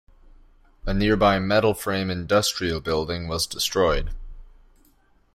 A nearby metal-frame industrial building was destroyed.